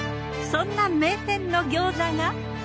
そんな名店の餃子が。